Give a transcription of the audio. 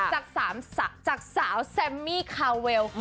จากสามสับจากสาวแซมมี่เคอร์เวล